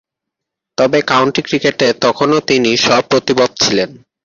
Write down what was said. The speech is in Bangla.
তবে, কাউন্টি ক্রিকেটে তখনও তিনি সপ্রতিভ ছিলেন।